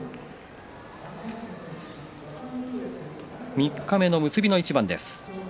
三日目の結びの一番です。